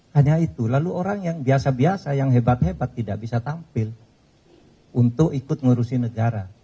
hanya itu lalu orang yang biasa biasa yang hebat hebat tidak bisa tampil untuk ikut ngurusi negara